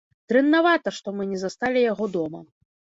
Дрэннавата, што мы не засталі яго дома.